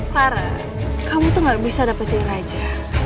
farah kamu tuh gak bisa dapetin aja